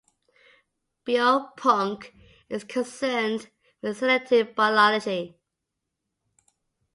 Biopunk is concerned with synthetic biology.